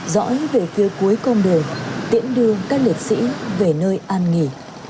dõi về phía cuối con đường tiễn đưa các liệt sĩ về nơi an nghỉ